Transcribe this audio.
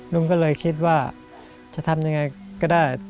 ลุงก็เลยคิดว่าจะทำยังไงก็ได้